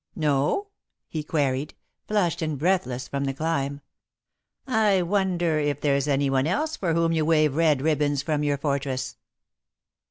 "No?" he queried, flushed and breathless from the climb. "I wonder if there is anyone else for whom you wave red ribbons from your fortress!"